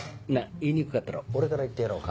言いにくかったら俺から言ってやろうか？